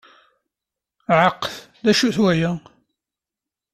Ɛaq, D acu d wa?